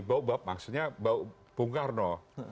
bau bab maksudnya bau bung karno